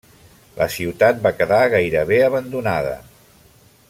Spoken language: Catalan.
La ciutat va quedar gairebé abandonada.